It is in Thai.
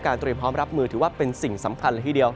เตรียมพร้อมรับมือถือว่าเป็นสิ่งสำคัญเลยทีเดียว